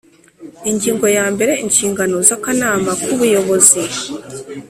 Ingingo ya mbere Inshingano z akanama kubuyobozi